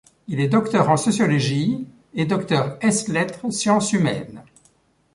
Il est docteur en sociologie et docteur ès-lettres sciences humaines.